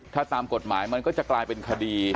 ถ้าตามกฎหมายมันก็จะกลายเป็นคดี